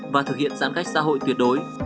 và thực hiện giãn cách xã hội tuyệt vời